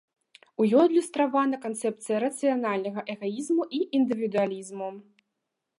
У ёй адлюстравана канцэпцыя рацыянальнага эгаізму і індывідуалізму.